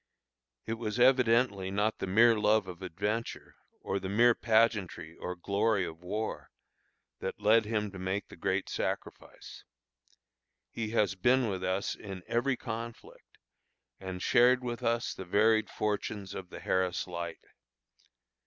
It was evidently not the mere love of adventure, or the mere pageantry or glory of war, that led him to make the great sacrifice. He has been with us in every conflict, and shared with us the varied fortunes of the Harris Light.